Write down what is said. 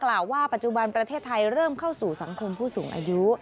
กล่าวว่าปัจจุบันประเทศไทยเริ่มเข้าสู่สังคมผู้สูงอายุ